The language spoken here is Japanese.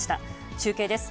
中継です。